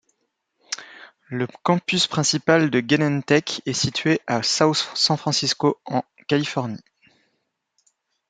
Le campus principal de Genentech est situé à South San Francisco en Californie.